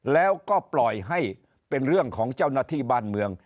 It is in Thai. แล้วก็ปล่อยให้เป็นเรื่องของเจ้าหน้าที่บ้านเมือง